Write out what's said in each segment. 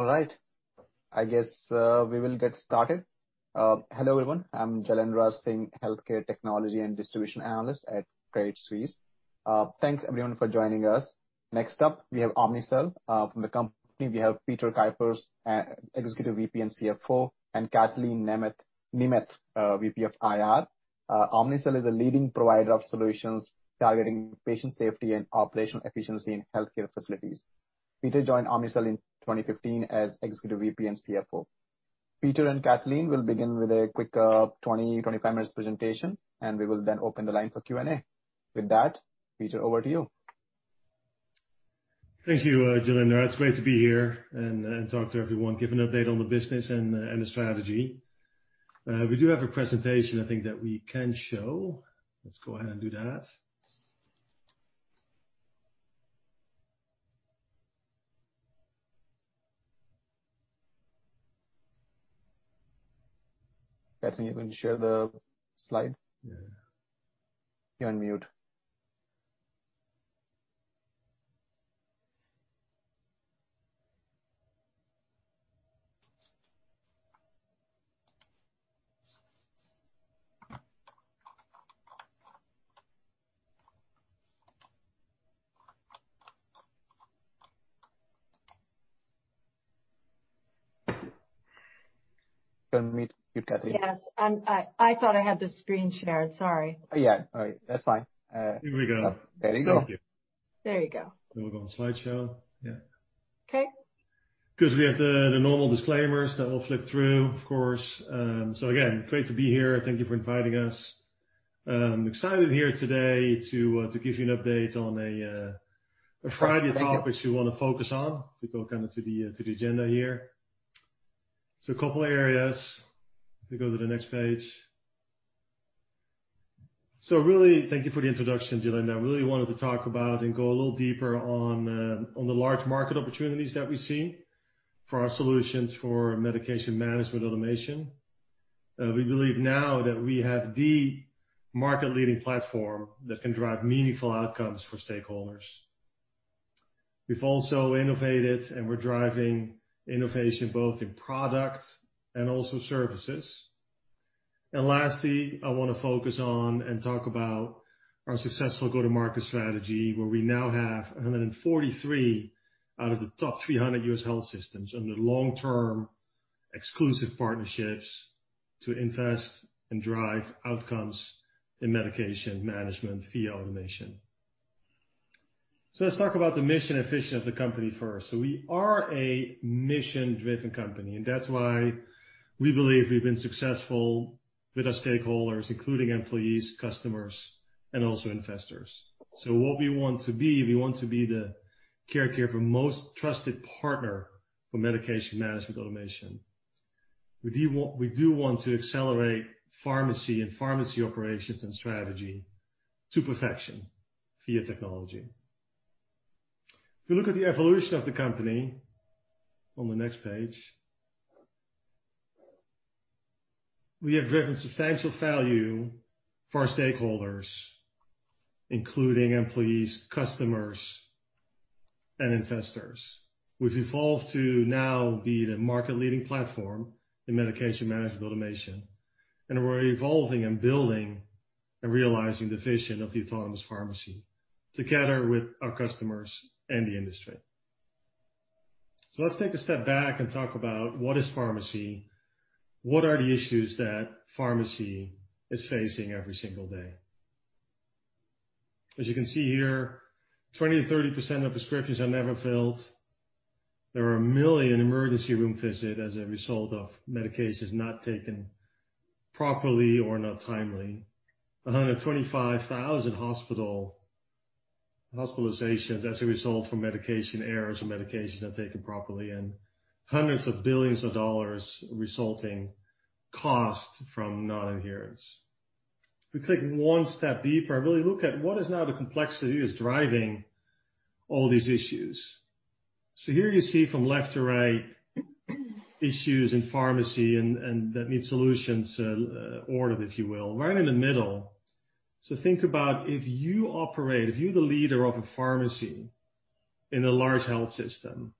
All right. I guess we will get started. Hello, everyone. I'm Jailendra Singh, healthcare technology and distribution analyst at Credit Suisse. Thanks, everyone, for joining us. Next up, we have Omnicell. From the company, we have Peter Kuipers, Executive Vice President and Chief Financial Officer, and Kathleen Nemeth, Senior Vice President, Investor Relations. Omnicell is a leading provider of solutions targeting patient safety and operational efficiency in healthcare facilities. Peter joined Omnicell in 2015 as Executive Vice President and Chief Financial Officer. Peter and Kathleen will begin with a quick 20, 25 minutes presentation, and we will then open the line for Q&A. With that, Peter, over to you. Thank you, Jailendra. It's great to be here and talk to everyone, give an update on the business and the strategy. We do have a presentation, I think, that we can show. Let's go ahead and do that. Kathleen, you want to share the slide? Yeah. You're on mute. You're on mute, Kathleen. Yes, I thought I had the screen shared. Sorry. Yeah. All right. That's fine. Here we go. There we go. Thank you. There you go. We'll go on slideshow. Yeah. Okay. Good. We have the normal disclaimers that we'll flip through, of course. Again, great to be here. Thank you for inviting us. I'm excited here today to give you an update on a variety of topics. Thank you. We want to focus on, if we go to the agenda here. A couple areas, if we go to the next page. Really, thank you for the introduction, Jailendra. I really wanted to talk about and go a little deeper on the large market opportunities that we see for our solutions for medication management automation. We believe now that we have the market leading platform that can drive meaningful outcomes for stakeholders. We've also innovated and we're driving innovation both in product and also services. Lastly, I want to focus on and talk about our successful go-to-market strategy, where we now have 143 out of the top 300 U.S. health systems under long-term exclusive partnerships to invest and drive outcomes in medication management via automation. Let's talk about the mission and vision of the company first. We are a mission-driven company, and that's why we believe we've been successful with our stakeholders, including employees, customers, and also investors. What we want to be, we want to be the caregiver most trusted partner for medication management automation. We do want to accelerate pharmacy and pharmacy operations and strategy to perfection via technology. If you look at the evolution of the company, on the next page, we have driven substantial value for our stakeholders, including employees, customers, and investors. We've evolved to now be the market leading platform in medication management automation, and we're evolving and building and realizing the vision of the Autonomous Pharmacy together with our customers and the industry. Let's take a step back and talk about what is pharmacy, what are the issues that pharmacy is facing every single day. As you can see here, 20%-30% of prescriptions are never filled. There are 1 million emergency room visit as a result of medications not taken properly or not timely. 125,000 hospitalizations as a result from medication errors or medication not taken properly, and hundreds of billions of dollars resulting cost from non-adherence. If we click one step deeper and really look at what is now the complexity that's driving all these issues. Here you see from left to right, issues in pharmacy and that need solutions ordered, if you will. Right in the middle. Think about if you operate, if you're the leader of a pharmacy in a large health system,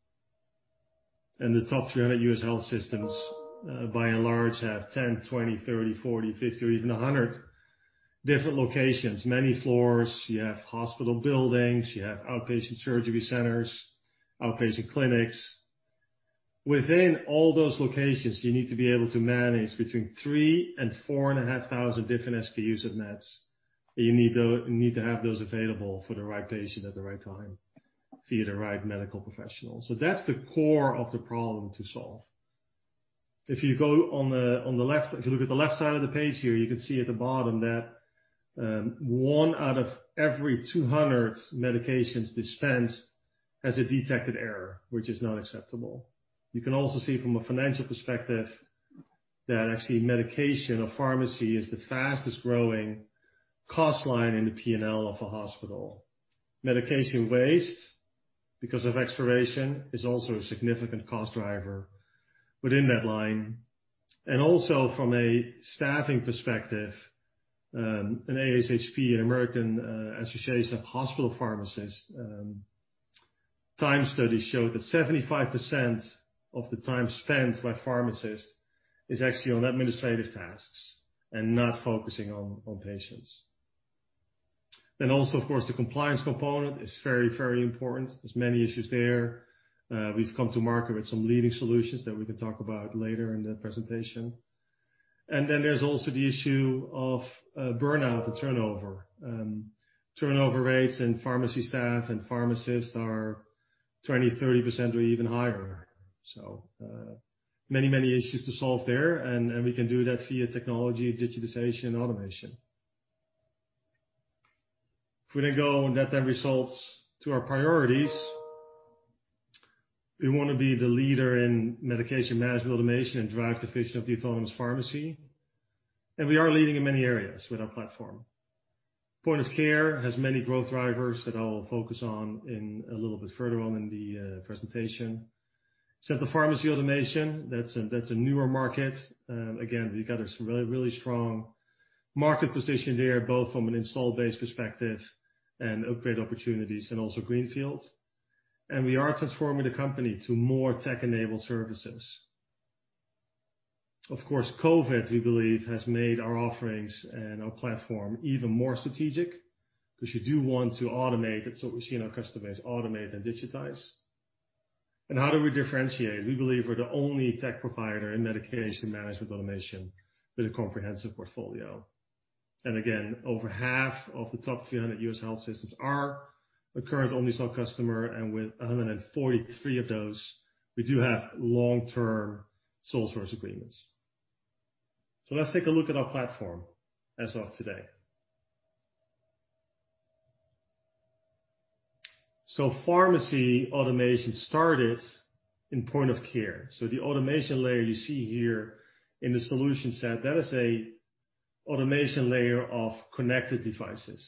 and the top 300 U.S. health systems by and large have 10, 20, 30, 40, 50, or even 100 different locations, many floors. You have hospital buildings, you have outpatient surgery centers, outpatient clinics. Within all those locations, you need to be able to manage between 3,000 and 4,500 different SKUs of meds. You need to have those available for the right patient at the right time via the right medical professional. That's the core of the problem to solve. If you go on the left, if you look at the left side of the page here, you can see at the bottom that one out of every 200 medications dispensed has a detected error, which is not acceptable. You can also see from a financial perspective that actually medication or pharmacy is the fastest growing cost line in the P&L of a hospital. Medication waste, because of expiration, is also a significant cost driver. Within that line, and also from a staffing perspective, an ASHP, an American Society of Health-System Pharmacists, time study showed that 75% of the time spent by pharmacists is actually on administrative tasks and not focusing on patients. Also, of course, the compliance component is very important. There's many issues there. We've come to market with some leading solutions that we can talk about later in the presentation. There's also the issue of burnout and turnover. Turnover rates in pharmacy staff and pharmacists are 20%-30% or even higher. Many issues to solve there, and we can do that via technology, digitization, and automation. If we then go, and that then results to our priorities, we want to be the leader in medication management automation and drive the vision of the Autonomous Pharmacy. We are leading in many areas with our platform. point of care has many growth drivers that I'll focus on a little bit further on in the presentation. central pharmacy automation, that's a newer market. Again, we've got a really strong market position there, both from an install base perspective and upgrade opportunities, and also greenfields. We are transforming the company to more tech-enabled services. Of course, COVID, we believe, has made our offerings and our platform even more strategic, because you do want to automate. That's what we see in our customer base, automate and digitize. How do we differentiate? We believe we're the only tech provider in medication management automation with a comprehensive portfolio. Again, over half of the top 300 U.S. health systems are a current Omnicell customer, and with 143 of those, we do have long-term sole source agreements. Let's take a look at our platform as of today. Pharmacy automation started in point of care. The automation layer you see here in the solution set, that is a automation layer of connected devices.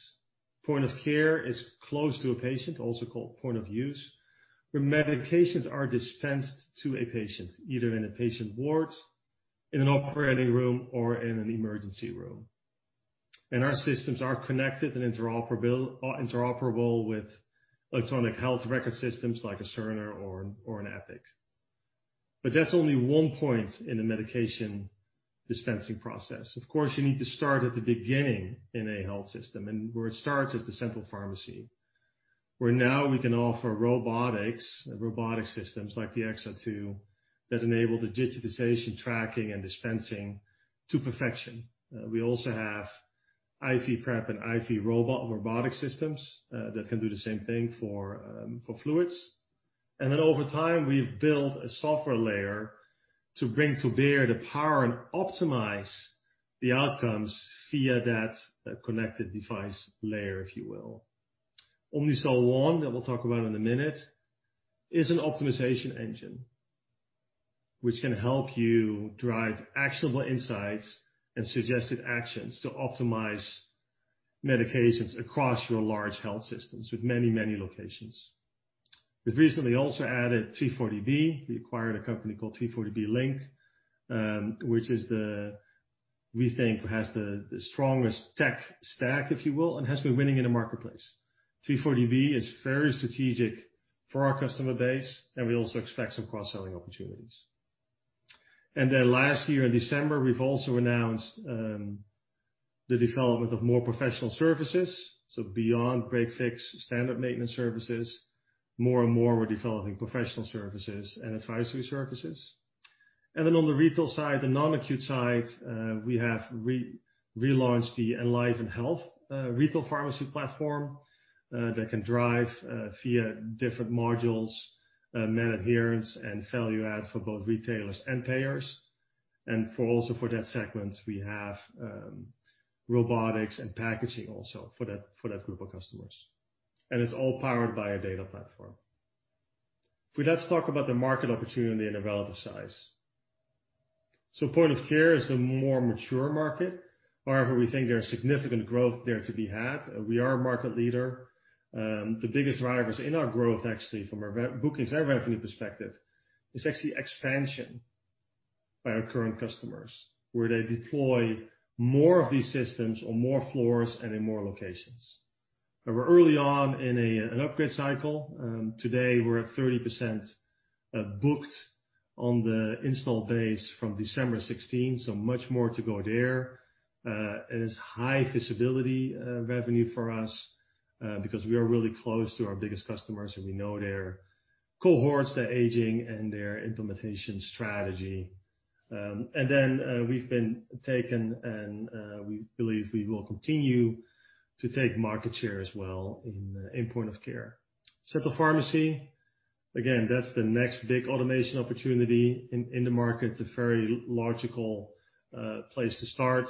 Point of care is close to a patient, also called point of use, where medications are dispensed to a patient, either in a patient ward, in an operating room, or in an emergency room. Our systems are connected and interoperable with electronic health record systems like a Cerner or an Epic. That's only one point in the medication dispensing process. Of course, you need to start at the beginning in a health system, and where it starts is the central pharmacy. Where now we can offer robotics and robotic systems like the XR2, that enable the digitization, tracking, and dispensing to perfection. We also have IV prep and IV robot or robotic systems that can do the same thing for fluids. Over time, we've built a software layer to bring to bear the power and optimize the outcomes via that connected device layer, if you will. Omnicell One, that we'll talk about in a minute, is an optimization engine, which can help you drive actionable insights and suggested actions to optimize medications across your large health systems with many locations. We've recently also added 340B. We acquired a company called 340B Link, which we think has the strongest tech stack, if you will, and has been winning in the marketplace. 340B is very strategic for our customer base, and we also expect some cross-selling opportunities. Last year in December, we've also announced the development of more professional services beyond break-fix, standard maintenance services. More and more, we're developing professional services and advisory services. On the retail side, the non-acute side, we have relaunched the EnlivenHealth retail pharmacy platform, that can drive via different modules, med adherence and value add for both retailers and payers. Also for that segment, we have robotics and packaging also for that group of customers. It's all powered by a data platform. Let's talk about the market opportunity and the relative size. Point of care is the more mature market. However, we think there is significant growth there to be had. We are a market leader. The biggest drivers in our growth actually from a bookings and revenue perspective is actually expansion by our current customers, where they deploy more of these systems on more floors and in more locations. We're early on in an upgrade cycle. Today, we're at 30% booked on the installed base from December 2016, much more to go there. It is high visibility revenue for us, because we are really close to our biggest customers and we know their cohorts, their aging, and their implementation strategy. We've been taken and we believe we will continue to take market share as well in point of care. Central pharmacy, again, that's the next big automation opportunity in the market. It's a very logical place to start.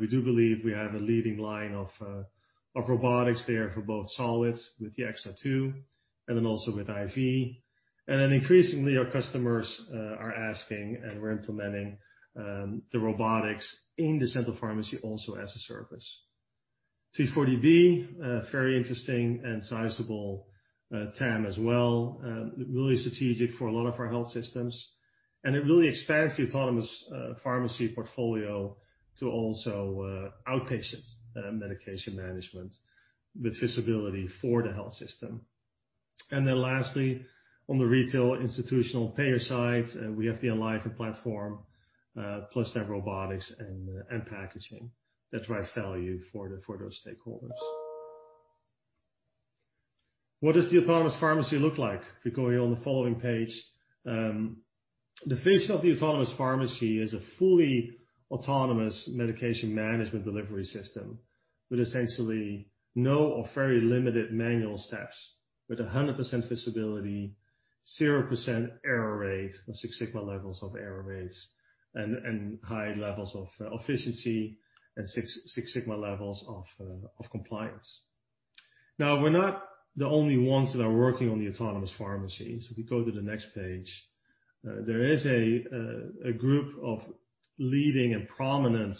We do believe we have a leading line of robotics there for both solids with the XR2 and then also with IV. Increasingly, our customers are asking, and we're implementing the robotics in the central pharmacy also as a service. 340B, very interesting and sizable TAM as well. Really strategic for a lot of our health systems. It really expands the Autonomous Pharmacy portfolio to also outpatient medication management with visibility for the health system. Then lastly, on the retail institutional payer side, we have the EnlivenHealth platform, plus that robotics and packaging. That's right value for those stakeholders. What does the Autonomous Pharmacy look like? If we go here on the following page. The vision of the Autonomous Pharmacy is a fully autonomous medication management delivery system with essentially no or very limited manual steps, with 100% visibility, 0% error rate or Six Sigma levels of error rates, and high levels of efficiency and Six Sigma levels of compliance. Now, we're not the only ones that are working on the Autonomous Pharmacy. If we go to the next page. There is a group of leading and prominent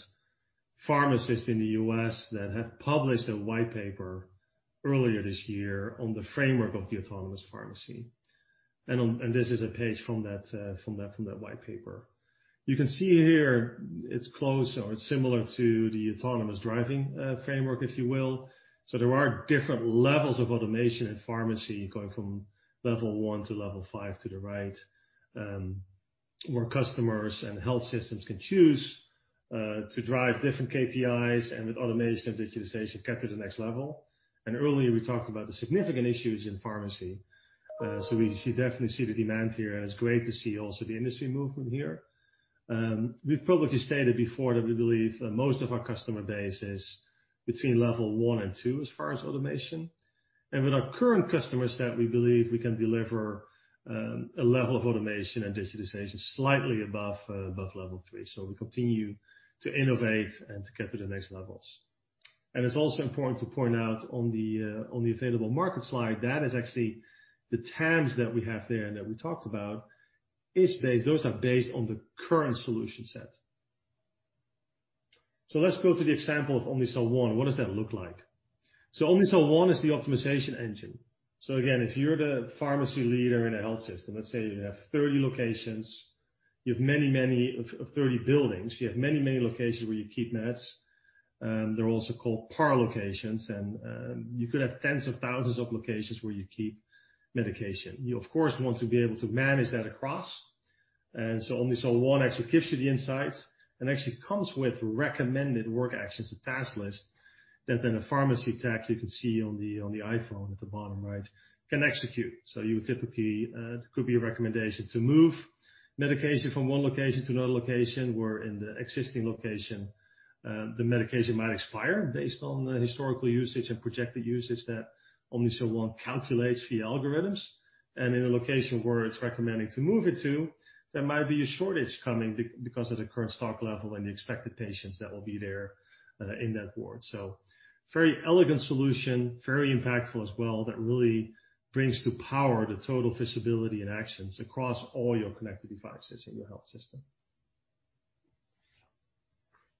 pharmacists in the U.S. that have published a white paper earlier this year on the framework of the Autonomous Pharmacy. This is a page from that white paper. You can see here it's close or it's similar to the autonomous driving framework, if you will. There are different levels of automation in pharmacy, going from level 1 to level 5 to the right, where customers and health systems can choose to drive different KPIs and with automation and digitization, get to the next level. Earlier we talked about the significant issues in pharmacy. We definitely see the demand here, and it's great to see also the industry movement here. We've probably stated before that we believe most of our customer base is between level 1 and 2 as far as automation. With our current customer set, we believe we can deliver a level of automation and digitization slightly above level 3. We continue to innovate and to get to the next levels. It's also important to point out on the available market slide, that is actually the TAMs that we have there and that we talked about, those are based on the current solution set. Let's go to the example of Omnicell One. What does that look like? Omnicell One is the optimization engine. Again, if you're the pharmacy leader in a health system, let's say you have 30 locations, of 30 buildings, you have many, many locations where you keep meds. They're also called par locations. You could have tens of thousands of locations where you keep medication. You, of course, want to be able to manage that across. Omnicell One actually gives you the insights and actually comes with recommended work actions, a task list that then a pharmacy tech, you can see on the iPhone at the bottom right, can execute. You would typically, could be a recommendation to move medication from one location to another location, where in the existing location the medication might expire based on the historical usage and projected usage that Omnicell One calculates via algorithms. In a location where it's recommending to move it to, there might be a shortage coming because of the current stock level and the expected patients that will be there in that ward. Very elegant solution, very impactful as well, that really brings to power the total visibility and actions across all your connected devices in your health system.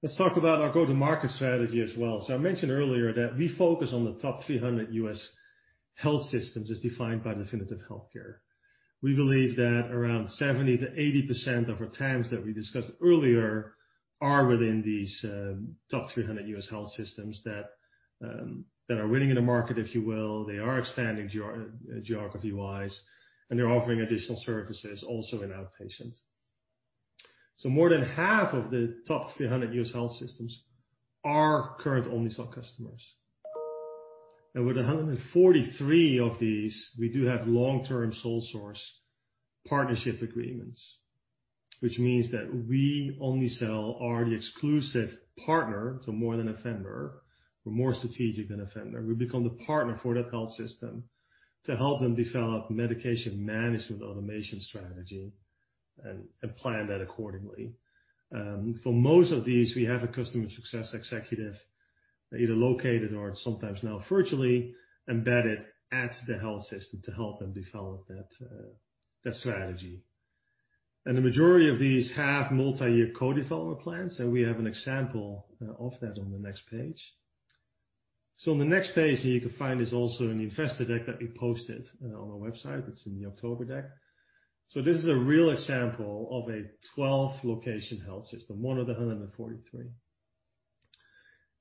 Let's talk about our go-to-market strategy as well. I mentioned earlier that we focus on the top 300 U.S. health systems as defined by Definitive Healthcare. We believe that around 70%-80% of our TAMs that we discussed earlier are within these top 300 U.S. health systems that are winning in the market, if you will. They are expanding geography-wise, and they're offering additional services also in outpatient. More than half of the top 300 U.S. health systems are current Omnicell customers. With 143 of these, we do have long-term sole source partnership agreements, which means that we, Omnicell, are the exclusive partner to more than a vendor. We're more strategic than a vendor. We become the partner for that health system to help them develop medication management automation strategy and plan that accordingly. For most of these, we have a customer success executive, either located or sometimes now virtually embedded at the health system to help them develop that strategy. The majority of these have multi-year co-development plans, and we have an example of that on the next page. On the next page here, you can find is also an investor deck that we posted on our website. It's in the October deck. This is a real example of a 12-location health system, one of the 143.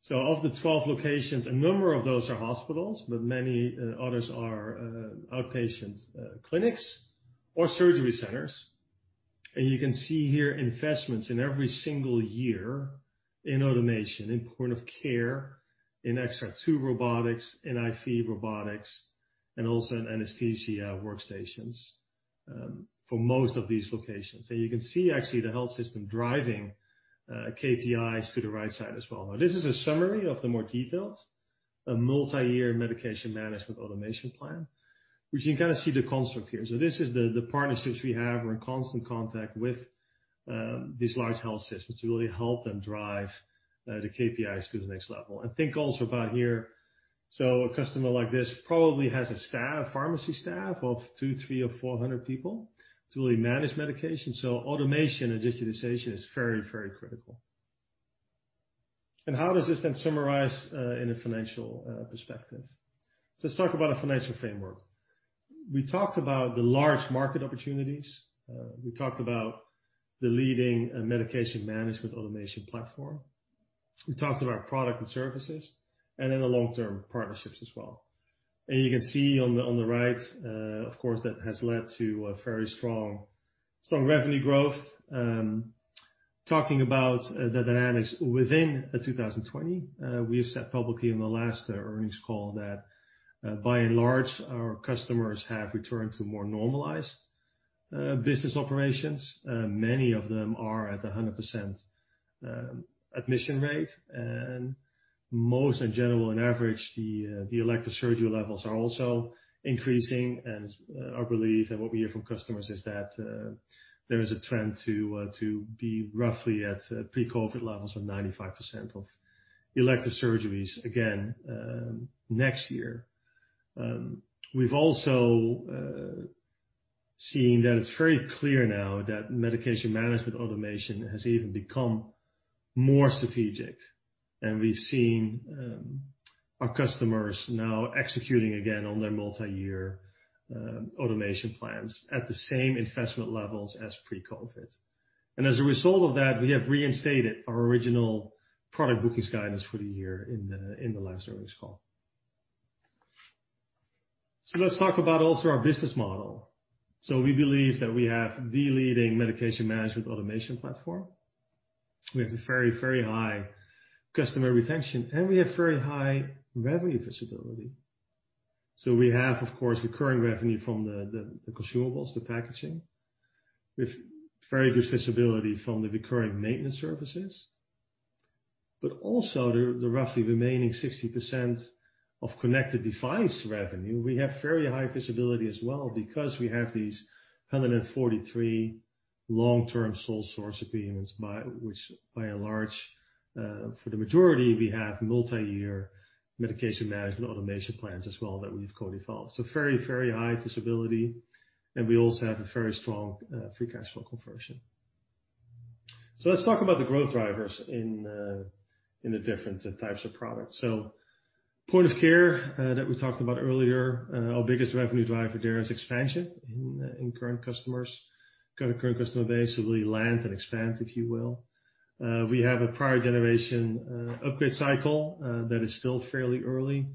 Of the 12 locations, a number of those are hospitals, but many others are outpatient clinics or surgery centers. You can see here investments in every single year in automation, in point of care, in XR2 robotics, in IV robotics, and also in Anesthesia Workstation for most of these locations. You can see actually the health system driving KPIs to the right side as well. This is a summary of the more detailed multi-year medication management automation plan. You can kind of see the construct here. This is the partnerships we have. We're in constant contact with these large health systems to really help them drive the KPIs to the next level. Think also about here. A customer like this probably has a pharmacy staff of 200, 300 or 400 people to really manage medication. Automation and digitization is very critical. How does this summarize in a financial perspective? Let's talk about a financial framework. We talked about the large market opportunities. We talked about the leading medication management automation platform. We talked about product and services, and then the long-term partnerships as well. You can see on the right, of course, that has led to a very strong revenue growth. Talking about the dynamics within 2020, we have said publicly in the last earnings call that by and large, our customers have returned to more normalized business operations. Many of them are at 100% admission rate, and most in general, on average, the elective surgery levels are also increasing. Our belief and what we hear from customers is that there is a trend to be roughly at pre-COVID levels of 95% of elective surgeries again next year. We've also seen that it's very clear now that medication management automation has even become more strategic. We've seen our customers now executing again on their multi-year automation plans at the same investment levels as pre-COVID. As a result of that, we have reinstated our original product bookings guidance for the year in the last earnings call. Let's talk about also our business model. We believe that we have the leading medication management automation platform. We have a very high customer retention, and we have very high revenue visibility. We have, of course, recurring revenue from the consumables, the packaging, with very good visibility from the recurring maintenance services. Also the roughly remaining 60% of connected device revenue, we have very high visibility as well because we have these 143 long-term sole source agreements, which by and large, for the majority, we have multi-year medication management automation plans as well that we've co-developed. Very high visibility, and we also have a very strong free cash flow conversion. Let's talk about the growth drivers in the different types of products. Point of care, that we talked about earlier, our biggest revenue driver there is expansion in current customer base, really land and expand, if you will. We have a prior generation upgrade cycle that is still fairly early,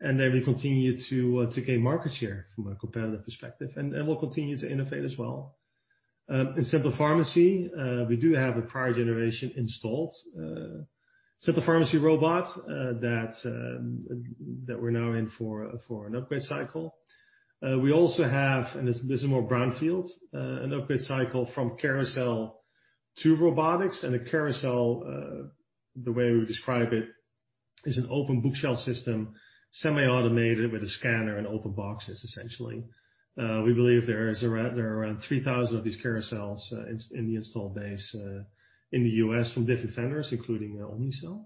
then we continue to gain market share from a competitive perspective. We'll continue to innovate as well. In central pharmacy, we do have a prior generation installed central pharmacy robot that we're now in for an upgrade cycle. We also have, this is more brownfield, an upgrade cycle from carousel to robotics. A carousel, the way we describe it, is an open bookshelf system, semi-automated with a scanner and open boxes, essentially. We believe there are around 3,000 of these carousels in the installed base in the U.S. from different vendors, including Omnicell.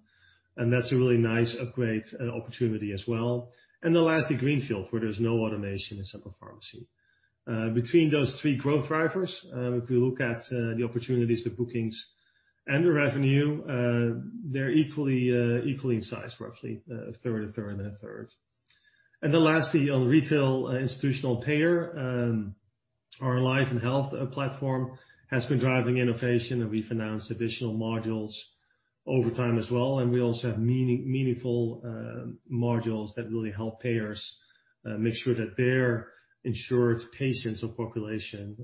That's a really nice upgrade opportunity as well. The last, the greenfield, where there's no automation in central pharmacy. Between those three growth drivers, if we look at the opportunities, the bookings, and the revenue, they're equally in size, roughly a third. Lastly, on retail institutional payer, our EnlivenHealth platform has been driving innovation, and we've announced additional modules over time as well, and we also have meaningful modules that really help payers make sure that their insured patients or population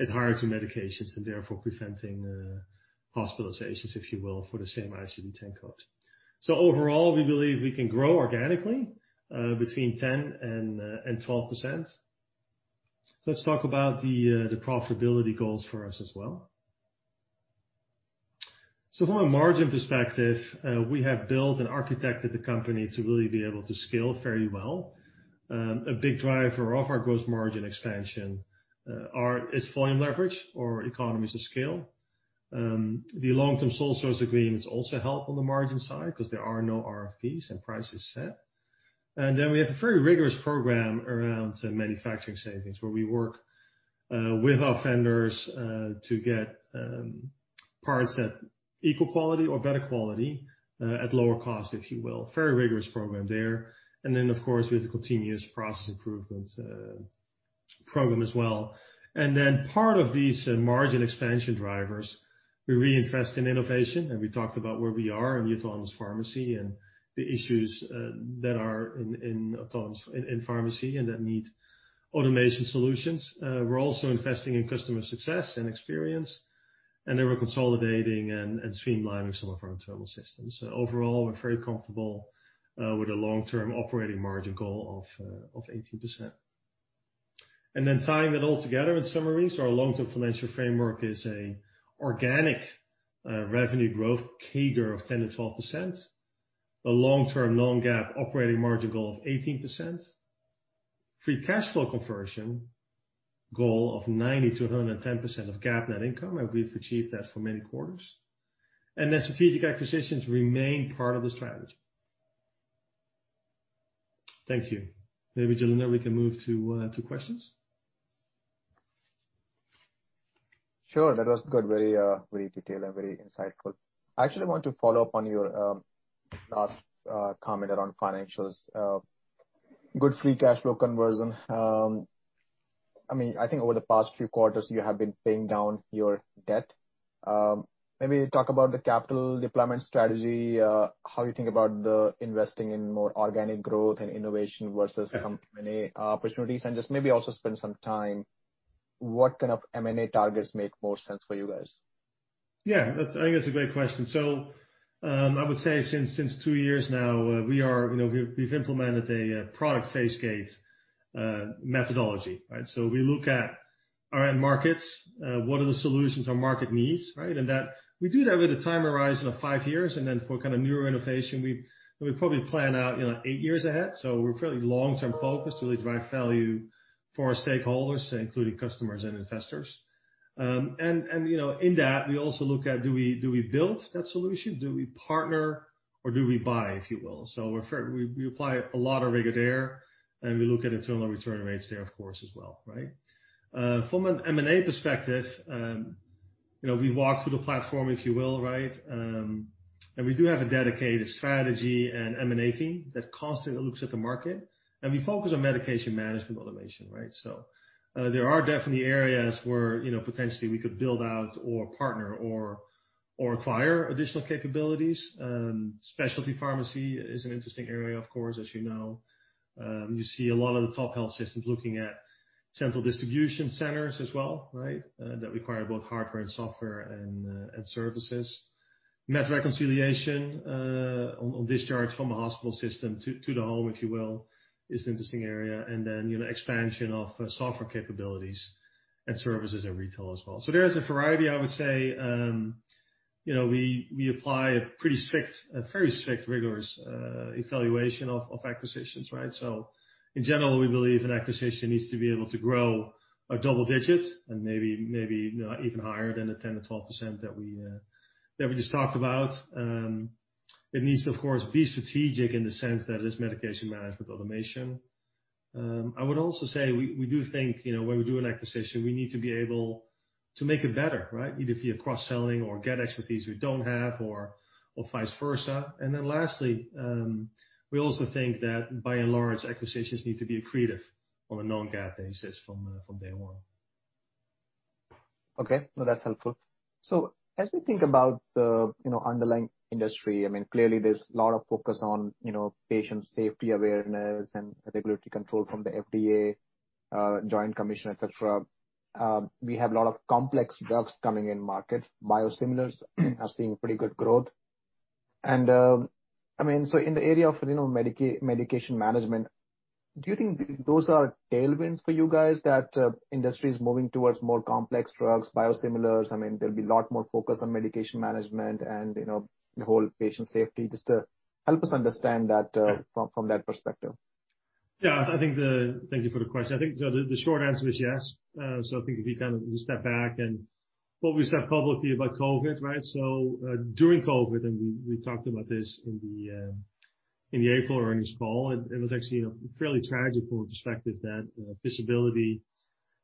adhere to medications and therefore preventing hospitalizations, if you will, for the same ICD-10 code. Overall, we believe we can grow organically between 10% and 12%. Let's talk about the profitability goals for us as well. From a margin perspective, we have built and architected the company to really be able to scale very well. A big driver of our gross margin expansion is volume leverage or economies of scale. The long-term sole source agreements also help on the margin side because there are no RFPs and price is set. We have a very rigorous program around manufacturing savings, where we work with our vendors to get parts at equal quality or better quality at lower cost, if you will. Very rigorous program there. Of course, we have the continuous process improvements program as well. Part of these margin expansion drivers, we reinvest in innovation, and we talked about where we are in the Autonomous Pharmacy and the issues that are in pharmacy and that need automation solutions. We're also investing in customer success and experience, and then we're consolidating and streamlining some of our internal systems. Overall, we're very comfortable with a long-term operating margin goal of 18%. Tying it all together in summary, our long-term financial framework is a organic revenue growth CAGR of 10%-12%, a long-term non-GAAP operating margin goal of 18%. Free cash flow conversion goal of 90%-110% of GAAP net income, we've achieved that for many quarters. The strategic acquisitions remain part of the strategy. Thank you. Maybe, Jailendra, we can move to questions. Sure. That was good. Very detailed and very insightful. I actually want to follow up on your last comment around financials. Good free cash flow conversion. I think over the past few quarters, you have been paying down your debt. Maybe talk about the capital deployment strategy, how you think about the investing in more organic growth and innovation versus M&A opportunities, and just maybe also spend some time, what kind of M&A targets make more sense for you guys? Yeah. I think that's a great question. I would say since two years now, we've implemented a product phase-gate methodology. We look at our end markets, what are the solutions our market needs. We do that with a time horizon of five years, for newer innovation, we probably plan out eight years ahead. We're fairly long-term focused to really drive value for our stakeholders, including customers and investors. In that, we also look at do we build that solution, do we partner, or do we buy, if you will. We apply a lot of rigor there, we look at internal return rates there, of course, as well. From an M&A perspective, we walk through the platform, if you will. We do have a dedicated strategy and M&A team that constantly looks at the market, we focus on medication management automation. There are definitely areas where potentially we could build out or partner or acquire additional capabilities. Specialty pharmacy is an interesting area, of course, as you know. You see a lot of the top health systems looking at central distribution centers as well, that require both hardware and software and services. Med reconciliation on discharge from a hospital system to the home is an interesting area. Then expansion of software capabilities and services at retail as well. There is a variety, I would say. We apply a very strict, rigorous evaluation of acquisitions. In general, we believe an acquisition needs to be able to grow at double digits and maybe even higher than the 10%-12% that we just talked about. It needs to, of course, be strategic in the sense that it is medication management automation. I would also say, we do think, when we do an acquisition, we need to be able to make it better. Either via cross-selling or get expertise we don't have or vice versa. Lastly, we also think that by and large, acquisitions need to be accretive on a non-GAAP basis from day one. Okay. No, that's helpful. As we think about the underlying industry, clearly, there's a lot of focus on patient safety awareness and regulatory control from the FDA, Joint Commission, et cetera. We have a lot of complex drugs coming in market. Biosimilars are seeing pretty good growth. In the area of medication management, do you think those are tailwinds for you guys, that industry is moving towards more complex drugs, biosimilars? There'll be a lot more focus on medication management and the whole patient safety. Just to help us understand that from that perspective. Yeah. Thank you for the question. I think the short answer is yes. I think if you step back and what we said publicly about COVID. During COVID, and we talked about this in the April earnings call, it was actually fairly tragic from a perspective that visibility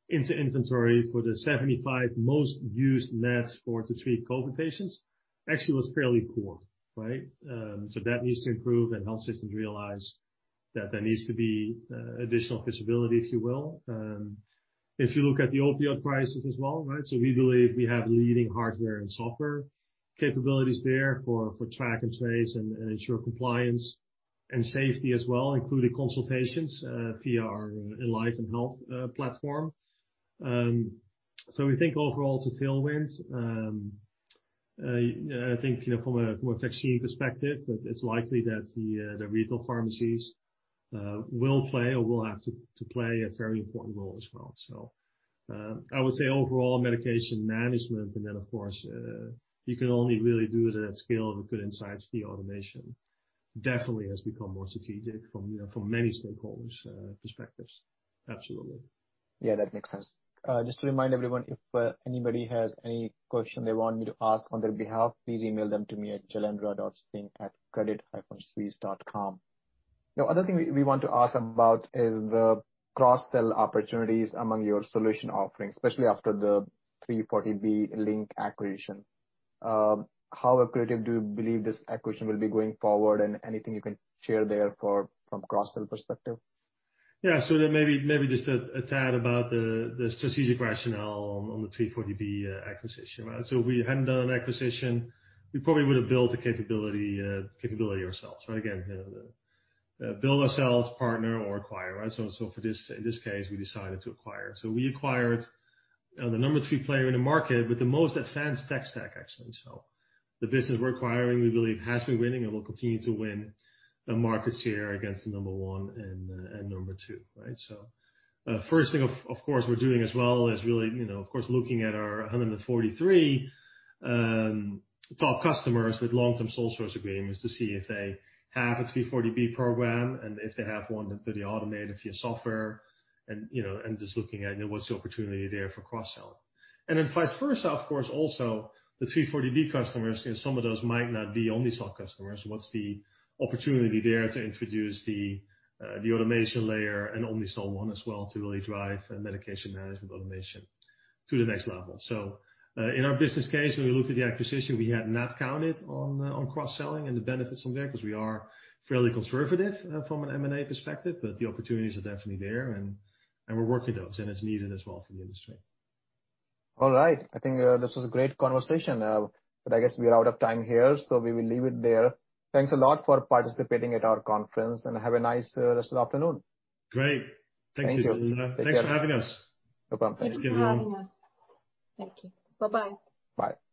into inventory for the 75 most used meds for to treat COVID patients actually was fairly poor. That needs to improve and health systems realize that there needs to be additional visibility. If you look at the opioid crisis as well, so we believe we have leading hardware and software capabilities there for track and trace and ensure compliance and safety as well, including consultations via our EnlivenHealth platform. We think overall it's a tailwind. I think from a vaccine perspective, it's likely that the retail pharmacies will play or will have to play a very important role as well. I would say overall medication management, and then, of course, you can only really do it at scale with good insights via automation, definitely has become more strategic from many stakeholders' perspectives. Absolutely. That makes sense. Just to remind everyone, if anybody has any question they want me to ask on their behalf, please email them to me at jailendra.singh@credit-suisse.com. Other thing we want to ask about is the cross-sell opportunities among your solution offerings, especially after the 340B Link acquisition. How accretive do you believe this acquisition will be going forward and anything you can share there from cross-sell perspective? Maybe just a tad about the strategic rationale on the 340B acquisition. If we hadn't done an acquisition, we probably would've built the capability ourselves. Again, build ourselves, partner, or acquire. For this, in this case, we decided to acquire. We acquired the number 3 player in the market with the most advanced tech stack, actually. The business we're acquiring, we believe, has been winning and will continue to win market share against the number 1 and number 2. First thing, of course, we're doing as well is really looking at our 143 top customers with long-term sole source agreements to see if they have a 340B program, and if they have one, if they automate a few software and just looking at what's the opportunity there for cross-sell. Vice versa, of course, also the 340B customers, some of those might not be Omnicell customers. What's the opportunity there to introduce the automation layer and Omnicell One as well to really drive medication management automation to the next level. In our business case, when we looked at the acquisition, we had not counted on cross-selling and the benefits from there because we are fairly conservative from an M&A perspective, but the opportunities are definitely there and we're working those, and it's needed as well for the industry. All right. I think this was a great conversation. I guess we are out of time here. We will leave it there. Thanks a lot for participating at our conference. Have a nice rest of the afternoon. Great. Thanks, Jailendra. Thank you. Take care. Thanks for having us. No problem. Thanks. Thanks for having us. Thank you. Bye-bye. Bye.